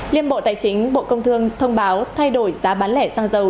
liên bộ tài chính bộ công thương thông báo thay đổi giá bán lẻ xăng dầu